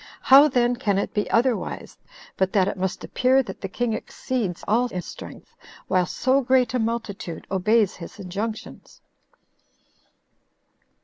How then can it be otherwise, but that it must appear that the king exceeds all in strength, while so great a multitude obeys his injunctions?"